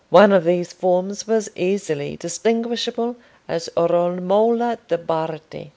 One of these forms was easily distinguishable as Romola de' Bardi.